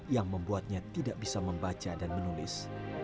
yang membuatnya tidak bisa membaca dan menulis